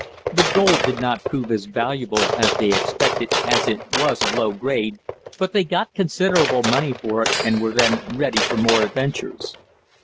The gold did not prove as valuable as they expected, as it was of low grade, but they got considerable money for it, and were then ready for more adventures.